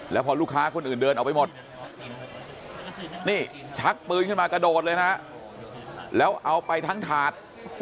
แล้วพอลูกค้าคนอื่นเดินออกไปหมดนี่ชักปืนขึ้นมากระโดดเลยนะแล้วเอาไปทั้งถาด